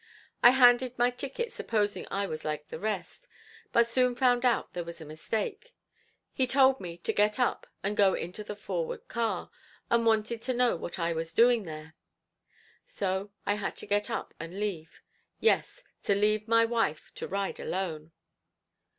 I handed my ticket supposing I was like the rest, but soon found out there was a mistake. He told me to get up and go into the forward car, and wanted to know what I was "doing there." So I had to get up and leave; yes, to leave my wife to ride alone.